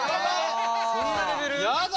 そんなレベル？やだ